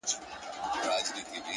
هره هڅه راتلونکی پیاوړی کوي.!